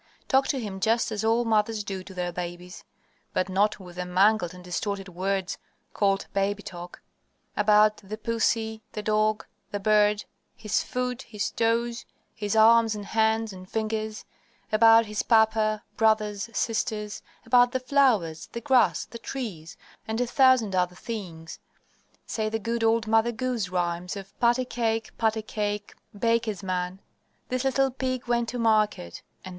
Talk to him just as all mothers do to their babies (but not with the mangled and distorted words called "baby talk"), about the pussy, the dog, the bird, his foot, his toes, his arms and hands and fingers; about his papa, brothers, sisters; about the flowers, the grass, the trees, and a thousand other things. Say the good old Mother Goose rhymes of "Patty Cake, Patty Cake, Baker's Man," "This little pig went to market," etc.